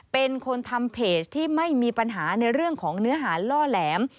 เป็นคนทำเพจที่ไม่มีปัญหาในเรื่องของเนื้อหาล่อแหลม